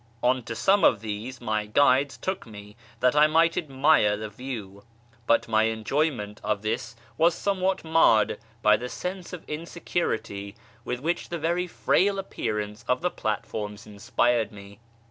On to some of these my guides took me that I might admire the view, but my enjoyment of this: FROM ISFAHAN TO SHIRAZ 227 was somewhat marred by the sense of insecurity with which the very frail appearance of the platforms inspired me.